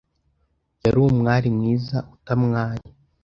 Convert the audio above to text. Yari umwari mwiza utamwaye,